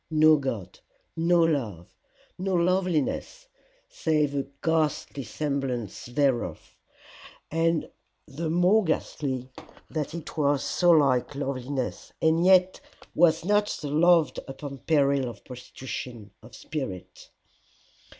No God! no Love! no loveliness, save a ghastly semblance thereof! and the more ghastly that it was so like loveliness, and yet was not to be loved upon peril of prostitution of spirit.